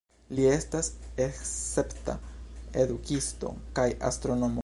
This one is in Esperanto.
Li estas escepta edukisto kaj astronomo.